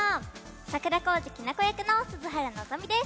桜小路きな子役の鈴原希実です。